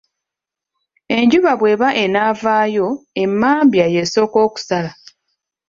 Enjuba bw'eba enaavaayo emmambya y'esooka okusala.